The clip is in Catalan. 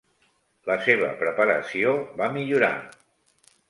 La seva preparació va millorar.